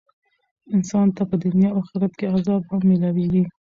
انسان ته په دنيا او آخرت کي عذاب هم ميلاويږي .